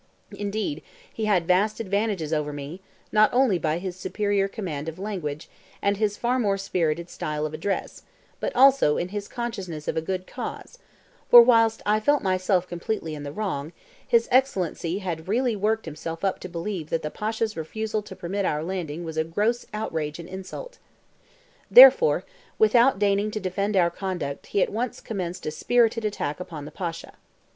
Indeed he had vast advantages over me, not only by his superior command of language and his far more spirited style of address, but also in his consciousness of a good cause; for whilst I felt myself completely in the wrong, his Excellency had really worked himself up to believe that the Pasha's refusal to permit our landing was a gross outrage and insult. Therefore, without deigning to defend our conduct he at once commenced a spirited attack upon the Pasha.